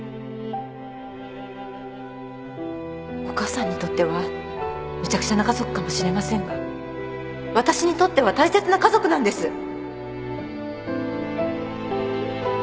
お母さんにとってはめちゃくちゃな家族かもしれませんがわたしにとっては大切な家族なんです